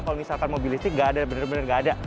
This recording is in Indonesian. kalau misalkan mobil listrik nggak ada benar benar nggak ada